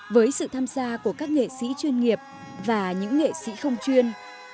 với sự tham gia của các nghệ sĩ chuyên nghiệp và những nghệ sĩ không chuyên